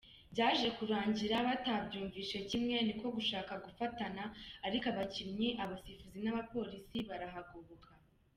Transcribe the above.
Byaje kurangira batabyumvishe kimwe niko gushaka gufatana ariko abakinnyi, abasifuzi na polisi barahagoboka.